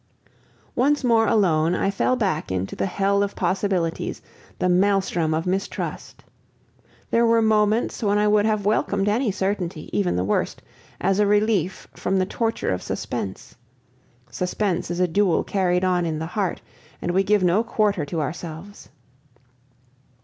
Once more alone, I fell back into the hell of possibilities, the maelstrom of mistrust. There were moments when I would have welcomed any certainty, even the worst, as a relief from the torture of suspense. Suspense is a duel carried on in the heart, and we give no quarter to ourselves.